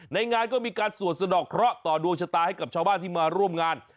ในงานก็มีการสวดสะดอกเคราะห์ต่อดวงชะตาให้กับชาวบ้านที่มาร่วมงาน